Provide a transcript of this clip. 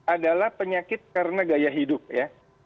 adalah penyakit karena gaya hidup ya